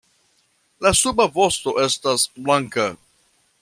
La suba vosto estas blanka.